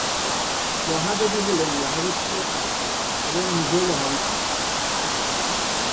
মহাদেবী হলেন মহাবিশ্বের আত্মা এবং নিজেই মহাবিশ্ব।